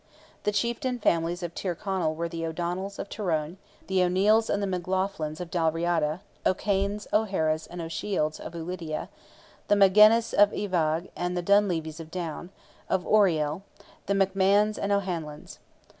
The chieftain families of Tyrconnell were the O'Donnells; of Tyrone, the O'Neils and McLaughlins; of Dalriada, O'Kanes, O'Haras, and O'Shields; of Ulidia, the Magennis of Iveagh and the Donlevys of Down; of Oriel, the McMahons and O'Hanlons.